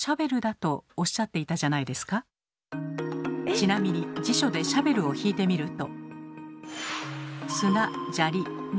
ちなみに辞書で「シャベル」をひいてみると。